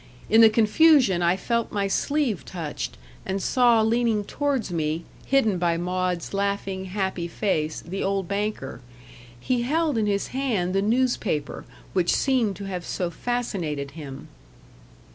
In the confusion I felt my sleeve touched, and saw leaning towards me, hidden by Maud's laughing happy face, the old banker. He held in his hand the newspaper which seemed to have so fascinated him.